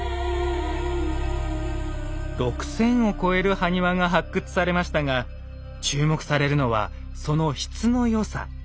６，０００を超える埴輪が発掘されましたが注目されるのはその質の良さ。